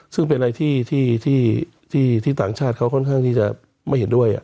ซึ่งเป็นอะไรที่ต่างชาติเขาค่อนข้างที่จะไม่เห็นด้วย